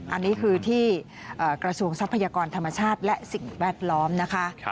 อันนี้คือที่กระทรวงทรัพยากรธรรมชาติและสิ่งแวดล้อมนะคะ